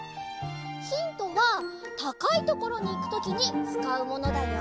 ヒントはたかいところにいくときにつかうものだよ。